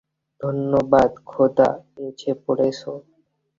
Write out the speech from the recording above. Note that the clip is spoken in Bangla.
ধন্যবাদ খোদা, এসে পড়েছো।